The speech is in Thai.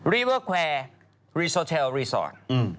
รีเวอร์แควร์รีโซเชลรีสอร์ท